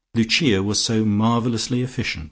Lucia was so marvellously efficient.